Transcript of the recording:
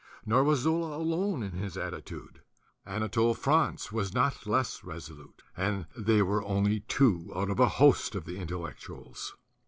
Nor was Zola alone in his attitude; Anatole France was not less resolute; and they were only two out of a host of the Intellectuals.